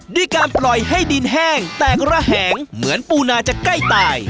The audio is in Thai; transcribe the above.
ด้วยการปล่อยให้ดินแห้งแตกระแหงเหมือนปูนาจะใกล้ตาย